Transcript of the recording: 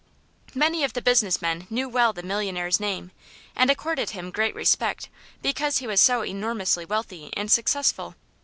Many of the business men knew well the millionaire's name, and accorded him great respect because he was so enormously wealthy and successful.